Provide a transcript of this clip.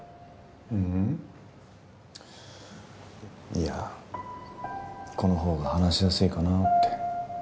いやこのほうが話しやすいかなって。